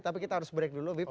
tapi kita harus break dulu bip